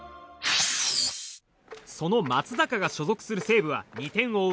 その松坂が所属する西武は２点を追う